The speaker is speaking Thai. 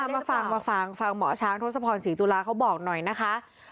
มาฟังมาฟังฟังหมอช้างทศพรศรีตุลาเขาบอกหน่อยนะคะ